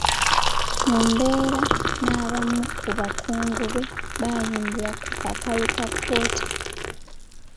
Mumbere n'abamu ku bakungu be baayimbulwa ku kakalu ka kkooti.